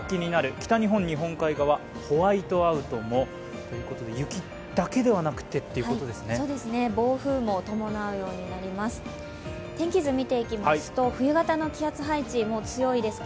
北日本、日本海側、ホワイトアウトもということで雪だけではなくてということですね？